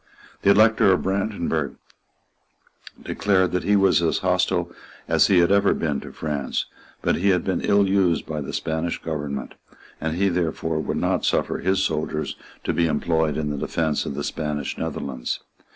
The Elector of Brandenburg declared that he was as hostile as he had ever been to France; but he had been ill used by the Spanish government; and he therefore would not suffer his soldiers to be employed in the defence of the Spanish Netherlands.